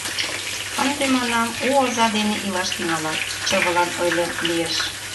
Ынде, — манам, — у оза дене илаш тӱҥалат! — чывылан ойлем лиеш.